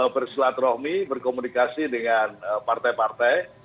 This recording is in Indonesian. dari silaturahmi berkomunikasi dengan partai partai